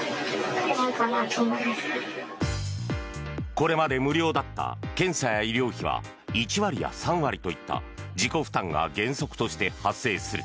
これまで無料だった検査や医療費は１割や３割といった自己負担が原則として発生する。